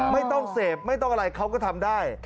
ไม่ต้องเสพไม่ต้องอะไรเขาก็ทำได้